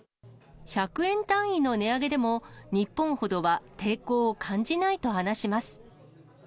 １００円単位の値上げでも、日本ほどは抵抗を感じないと話します。